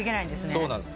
そうなんです。